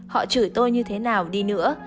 họ chửi tôi như thế nào đi nữa